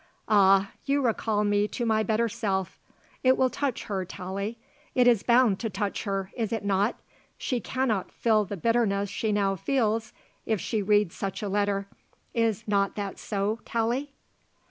Ah! you recall me to my better self. It will touch her, Tallie; it is bound to touch her, is it not? She cannot feel the bitterness she now feels if she reads such a letter; is not that so, Tallie?"